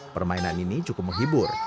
permainan ini cukup menghibur